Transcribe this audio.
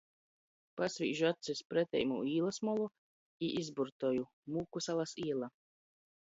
Pasvīžu acs iz preteimū īlys molu i izburtoju "Mūkusalas iela".